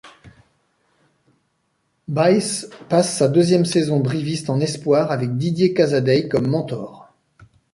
Buys passe sa deuxième saison briviste en Espoirs, avec Didier Casadeï comme mentor.